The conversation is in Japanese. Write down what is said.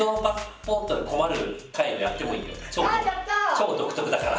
超独特だから。